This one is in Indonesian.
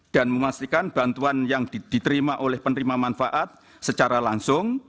dan memastikan bantuan yang diterima oleh penerima manfaat secara langsung